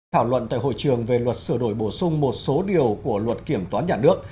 thảo luận tại hội trường về luật sửa đổi bổ sung một số điều của luật kiểm toán nhà nước